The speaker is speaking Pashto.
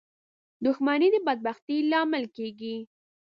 • دښمني د بدبختۍ لامل کېږي.